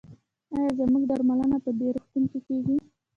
ایا زما درملنه په دې روغتون کې کیږي؟